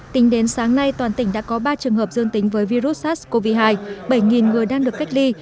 tính đến sáng nay toàn tỉnh đã có ba trường hợp dương tính với virus sars cov hai bảy người đang được cách ly